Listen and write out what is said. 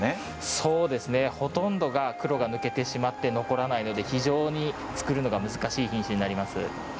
そうですね、ほとんどが黒が抜けてしまって残らないので非常に作るのが難しい品種になります。